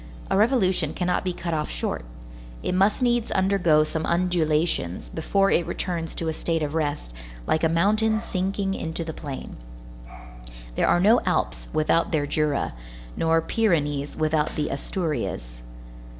A revolution cannot be cut off short. It must needs undergo some undulations before it returns to a state of rest, like a mountain sinking into the plain. There are no Alps without their Jura, nor Pyrenees without the Asturias.